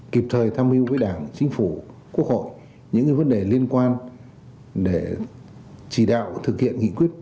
kịp thời tham mưu với đảng chính phủ quốc hội những vấn đề liên quan để chỉ đạo thực hiện nghị quyết một mươi ba